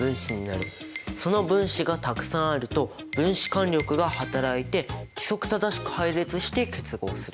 その分子がたくさんあると「分子間力」が働いて規則正しく配列して結合する。